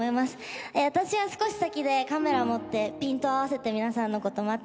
あたしは少し先でカメラ持ってピント合わせて皆さんのこと待ってます。